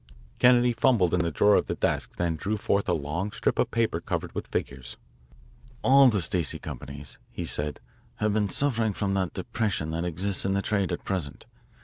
Kennedy fumbled in the drawer of the desk, then drew forth a long strip of paper covered with figures. "All the Stacey companies," he said, "have been suffering from the depression that exists in the trade at present.